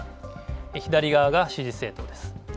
左側が支持政党です。